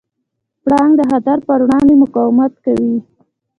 پړانګ د خطر پر وړاندې مقاومت کوي.